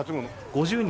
５０人？